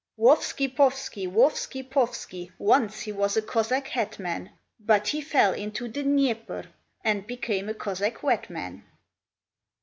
WOFFSKY POFFSKY, Woffsky Poffsky, Once he was a Cossack hetman: But he fell into the Dnieper, And became a Cossack wet man.